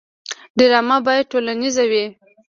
ډرامه باید ټولنیزه وي